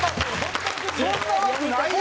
そんな枠ないよ！